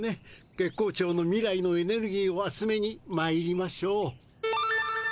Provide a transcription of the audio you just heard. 月光町の未来のエネルギーをあつめにまいりましょう。